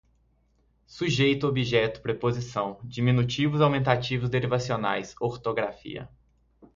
sujeito, objeto, preposição, diminutivos, aumentativos derivacionais, ortografia